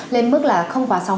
lên mức là không phải là một tháng